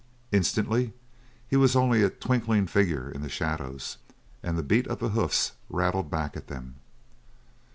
Instantly he was only a twinkling figure in the shadows, and the beat of the hoofs rattled back at them.